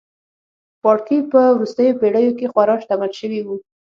پاړکي په وروستیو پېړیو کې خورا شتمن شوي وو.